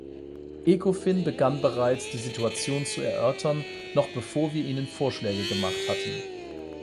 Ecofin begann bereits, die Situation zu erörtern, noch bevor wir ihnen Vorschläge gemacht hatten.